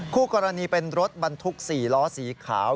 คู่กรณีเป็นรถบรรทุก๔ล้อสีขาว